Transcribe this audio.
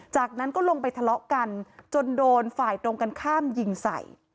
จากนั้นก็ลงไปทะเลาะกันจนโดนฝ่ายตรงกันข้ามยิงใส่